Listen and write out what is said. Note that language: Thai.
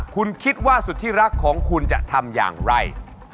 คุณคิดว่าสุดที่รักของคุณจะทำอย่างไร